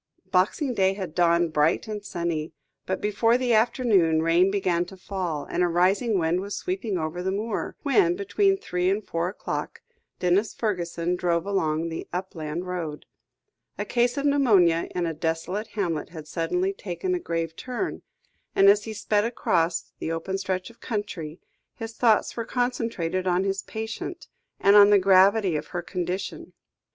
Boxing Day had dawned bright and sunny, but before the afternoon, rain began to fall, and a rising wind was sweeping over the moor, when, between three and four o'clock, Denis Fergusson drove along the upland road. A case of pneumonia in a desolate hamlet had suddenly taken a grave turn, and as he sped across the open stretch of country, his thoughts were concentrated on his patient, and on the gravity of her condition.